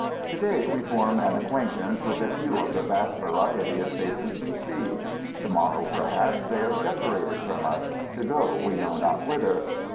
To day we form an acquaintance with a few of the vast variety of faces we see; to morrow, perhaps, they are separated from us, to go, we know not whither.